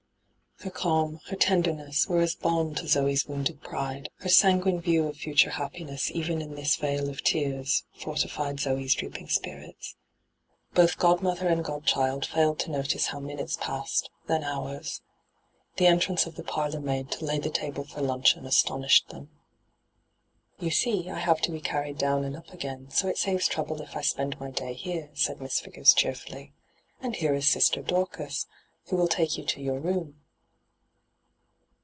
Her calm, her tenderness, were as balm to Zoe's wounded pride ; her sanguine view of future happiness even in this vale of tears, fortified Zoe's drooping spirits. Both godmother and godchild fiuled to notice how minutes passed, then hours. The entrance of the parlourmaid to lay the table for luncheon i»tonished them. 'Tou see, I have to be carried down and up again, so it saves trouble if I spend my day here,* said Miss Vigors cheerfully. ' And here is Sister Dorcas, who will take you to your room.'